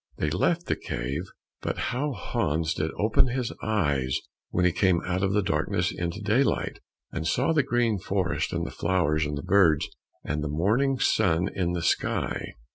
They left the cave, but how Hans did open his eyes when he came out of the darkness into daylight, and saw the green forest, and the flowers, and the birds, and the morning sun in the sky.